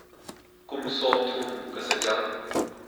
Kum sawm thum ka si cang.